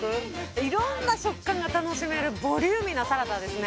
いろんな食感が楽しめるボリューミーなサラダですね。